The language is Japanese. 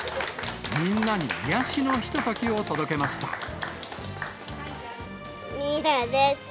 みんなに癒やしのひとときをミイラです。